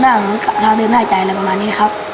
นั่งตากระทางเรียงหน้าใจอะไรประมาณนี้ครับ